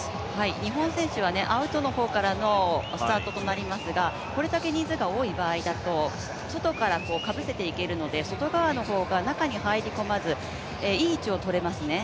日本選手はアウトの方からのスタートとなりますがこれだけ人数が多い場合、外からかぶせていけるので、外側の方が中に入り込まずいい位置をとれますね。